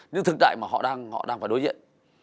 những thực trại mà họ đang phải đối diện